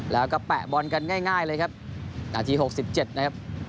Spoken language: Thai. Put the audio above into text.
แล้วก็แปะบอลกันง่ายเลยครับนาที๖๗นะครับ